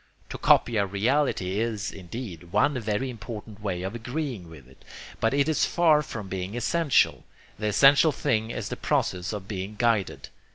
To copy a reality is, indeed, one very important way of agreeing with it, but it is far from being essential. The essential thing is the process of being guided.